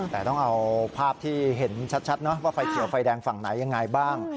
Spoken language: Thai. แต่ต้องเอาภาพที่เห็นชัดนะว่าไฟเขียวไฟแดงฝั่งไหนยังไงบ้าง